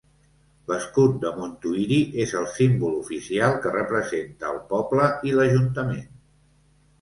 L'escut de Montuïri és el símbol oficial que representa el poble i l'ajuntament.